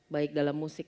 baik dalam musik